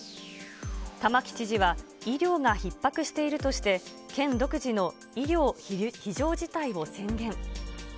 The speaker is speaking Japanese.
玉城知事は医療がひっ迫しているとして、県独自の医療非常事態を宣言。